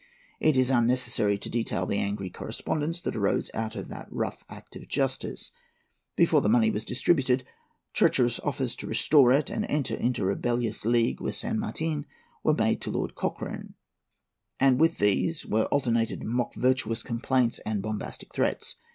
It is unnecessary to detail the angry correspondence that arose out of that rough act of justice. Before the money was distributed, treacherous offers to restore it and enter into rebellious league with San Martin were made to Lord Cochrane; and with these were alternated mock virtuous complaints and bombastic threats.